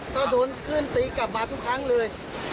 ก็โดนเพื่อนตีกลับมาทุกครั้งเลย